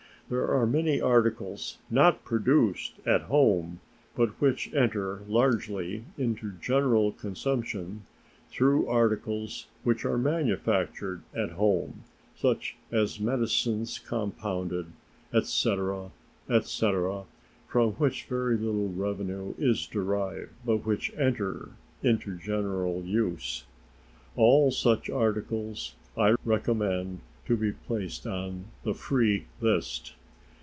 There are many articles not produced at home, but which enter largely into general consumption through articles which are manufactured at home, such as medicines compounded, etc., etc., from which very little revenue is derived, but which enter into general use. All such articles I recommend to be placed on the "free list."